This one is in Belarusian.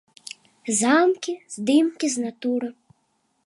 Замкі, здымкі з натуры.